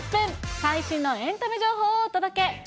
最新のエンタメ情報をお届け。